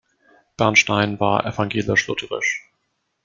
Bernstein war evangelisch-lutherisch.